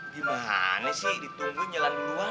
gimana sih ditunggu jalan duluan